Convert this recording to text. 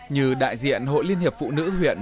như đại diện hội liên hiệp phụ nữ huyện